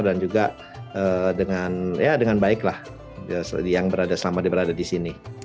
dan juga dengan baik lah yang selama diberada di sini